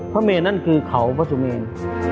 พระเมรุนนั้นคือเขาพระสุเมรุน